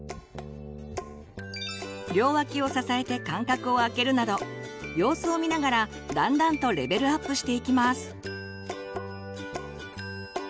両脇を支えて間隔を空けるなど様子を見ながらだんだんとレベルアップしていきます。